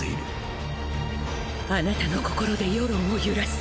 現在あなたの心で世論を揺らす！